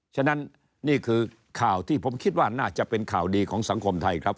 ฉะนั้นนี่คือข่าวที่ผมคิดว่าน่าจะเป็นข่าวดีของสังคมไทยครับ